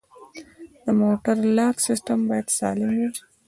د موټر لاک سیستم باید سالم وي.